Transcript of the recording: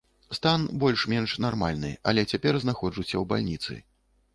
Стан больш-менш нармальны, але цяпер знаходжуся ў бальніцы.